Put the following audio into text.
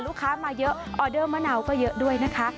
มาเยอะออเดอร์มะนาวก็เยอะด้วยนะคะ